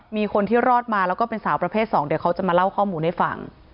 มีคนที่รอดมาแล้วก็เป็นสาวประเภทสองเดี๋ยวเขาจะมาเล่าข้อมูลให้ฟัง